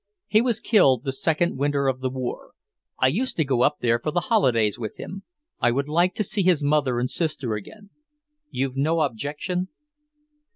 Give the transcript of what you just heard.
He was killed the second winter of the war. I used to go up there for the holidays with him; I would like to see his mother and sister again. You've no objection?"